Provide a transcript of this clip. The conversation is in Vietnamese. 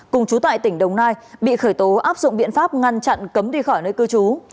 cùng chú tại tỉnh đồng nai bị khởi tố áp dụng biện pháp ngăn chặn cấm đi khỏi nơi cư trú